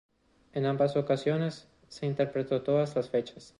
En ambas ocasiones, se interpretó en todas las fechas.